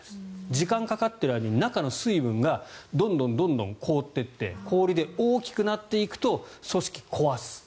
時間がかかっている間に中の水分がどんどん凍っていって氷で大きくなっていくと組織、壊す。